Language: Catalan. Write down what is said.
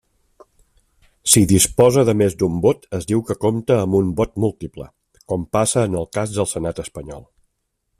Si disposa de més d'un vot, es diu que compta amb un vot múltiple, com passa en el cas del Senat espanyol.